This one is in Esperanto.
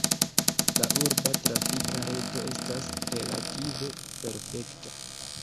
La urba trafika reto estas relative perfekta.